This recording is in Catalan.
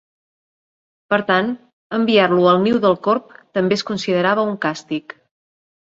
Per tant, enviar-lo al niu del corb també es considerava un càstig.